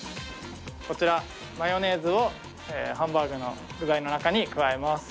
こちらマヨネーズをハンバーグの具材の中に加えます。